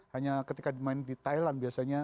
hanya ketika dimain di thailand biasanya